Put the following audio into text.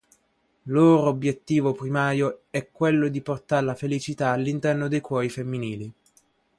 Loro obiettivo primario è quello di portar la felicità all'interno dei cuori femminili.